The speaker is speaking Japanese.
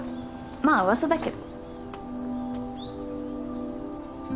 まあ噂だけど。